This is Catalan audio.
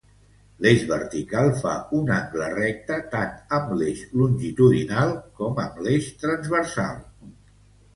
L'eix vertical fa un angle recte tant amb l'eix longitudinal com amb l'eix transversal.